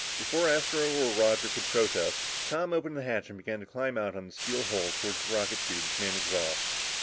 Before Astro or Roger could protest, Tom opened the hatch and began to climb out on the steel hull toward the rocket tubes, main exhaust.